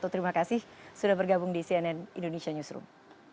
terima kasih sudah bergabung di cnn indonesia newsroom